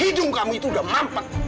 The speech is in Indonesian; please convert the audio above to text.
hidung kamu itu udah mampat